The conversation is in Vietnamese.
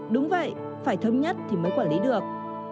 đúng vậy phải thống nhất thì mới quản lý được